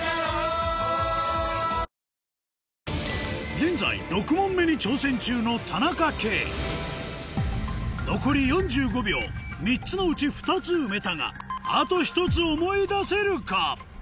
現在６問目に挑戦中の残り４５秒３つのうち２つ埋めたがあと１つ思い出せるか？